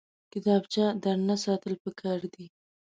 کتابچه درنه ساتل پکار دي